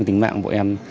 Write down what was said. về tính mạng của bọn em